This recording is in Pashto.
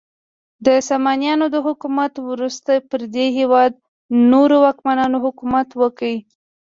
د سامانیانو د حکومت وروسته پر دې هیواد نورو واکمنانو حکومت وکړ.